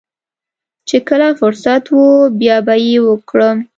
چې کله فرصت و بيا به يې وکړم.